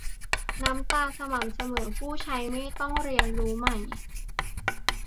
- หน้าตาสม่ำเสมอ ผู้ใช้ไม่ต้องเรียนรู้ใหม่